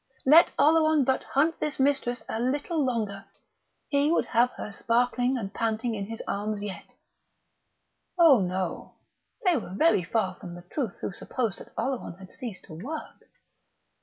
Let Oleron but hunt this Huntress a little longer... he would have her sparkling and panting in his arms yet.... Oh no: they were very far from the truth who supposed that Oleron had ceased to work!